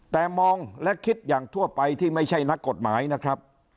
แต่มองและคิดอย่างทั่วไปที่ไม่ใช่นักกฎหมายนะครับ